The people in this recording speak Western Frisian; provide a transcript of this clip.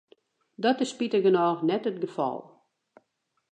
Dat is spitich genôch net it gefal.